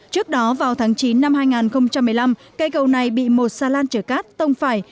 trước đó vào tháng chín năm hai nghìn một mươi năm cây cầu này bị một xà lan chở cát tông phải